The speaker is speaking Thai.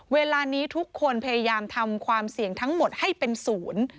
เวลานี้ทุกคนพยายามทำความเสี่ยงทั้งหมดให้เป็นศูนย์